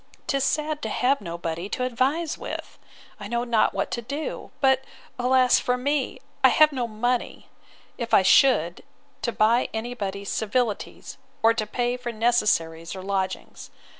'Tis sad to have nobody to advise with!—I know not what to do. But, alas for me! I have no money, if I should, to buy any body's civilities, or to pay for necessaries or lodgings.